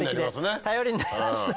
頼りになりますね。